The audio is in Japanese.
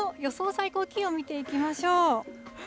最高気温見ていきましょう。